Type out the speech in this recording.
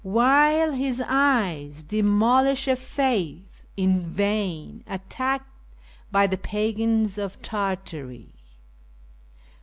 SELECTED POEMS 349 While his eyes demolish a faith in vain attacked by the pagans of Tartary1.